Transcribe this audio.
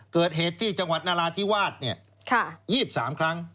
เกิดเหตุที่จังหวัดนราธิวาส๒๓ครั้ง